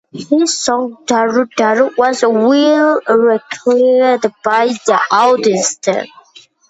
His song "Daru Daru" was well received by the audience.